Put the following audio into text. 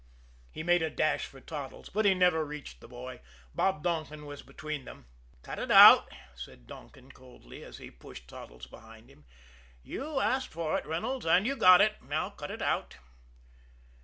He made a dash for Toddles, but he never reached the boy. Bob Donkin was between them. "Cut it out!" said Donkin coldly, as he pushed Toddles behind him. "You asked for it, Reynolds, and you got it. Now cut it out!"